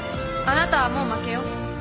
あなたはもう負けよ。